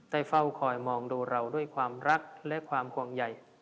เฝ้าคอยมองดูเราด้วยความรักและความห่วงใหญ่